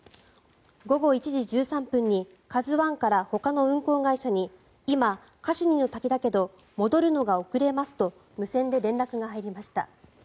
午後１時１３分に「ＫＡＺＵ１」からほかの運航会社に今、カシュニの滝だけど戻るのが遅れますと無線で連絡が入りました。